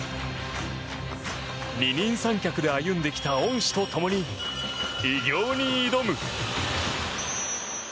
二人三脚で歩んできた恩師と共に偉業に挑む。